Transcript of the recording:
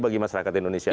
bagi masyarakat indonesia